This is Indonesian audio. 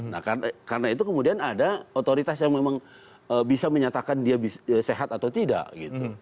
nah karena itu kemudian ada otoritas yang memang bisa menyatakan dia sehat atau tidak gitu